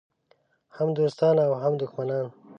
هم دوستان او هم دښمنان.